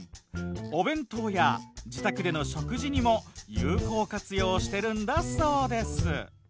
お弁当や自宅での食事にも有効活用してるんだそうです。